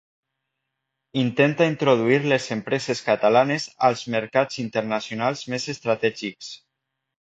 Intenta introduir les empreses catalanes als mercats internacionals més estratègics.